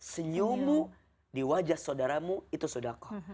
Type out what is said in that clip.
senyummu di wajah saudaramu itu sodako